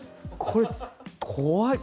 これ怖い。